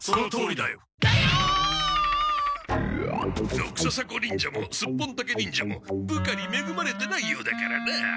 ドクササコ忍者もスッポンタケ忍者も部下にめぐまれてないようだからな。